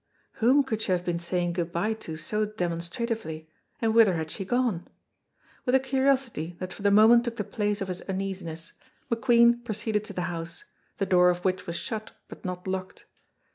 Whom could she have been saying good by to so demonstratively, and whither had she gone? With a curiosity that for the moment took the place of his uneasiness, McQueen proceeded to the house, the door of which was shut but not locked.